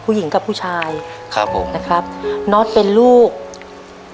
ผู้หญิงกับผู้ชายนะครับนอธเป็นลูกครับผม